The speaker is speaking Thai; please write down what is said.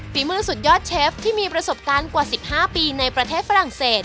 ฝีมือสุดยอดเชฟที่มีประสบการณ์กว่า๑๕ปีในประเทศฝรั่งเศส